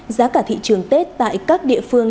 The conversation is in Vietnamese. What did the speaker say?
giá cả thị trường tết tại các địa phương